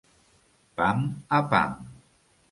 Pam a pam.